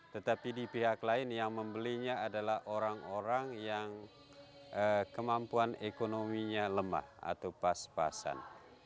tetapi di pihak lain yang membelinya adalah orang orang yang kemampuan ekonominya lemah atau pas pasan